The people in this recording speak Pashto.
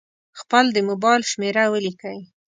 خپل د مبایل شمېره ولیکئ.